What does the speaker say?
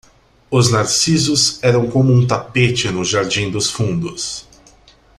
Os narcisos eram como um tapete no jardim dos fundos.